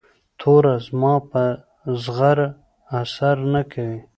توره زما په زغره اثر نه کوي.